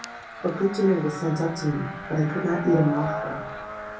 A good dinner was sent up to me; but I could not eat a mouthful.